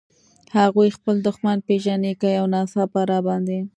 هغوی خپل دښمن پېژني، که یو ناڅاپه را باندې.